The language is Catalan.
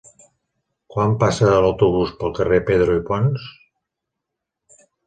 Quan passa l'autobús pel carrer Pedro i Pons?